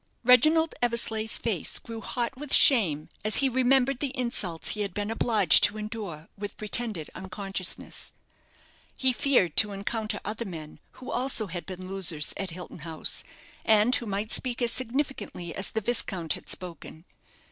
Reginald Eversleigh's face grew hot with shame as he remembered the insults he had been obliged to endure with pretended unconsciousness. He feared to encounter other men who also had been losers at Hilton House, and who might speak as significantly as the viscount had spoken.